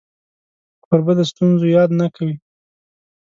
کوربه د ستونزو یاد نه کوي.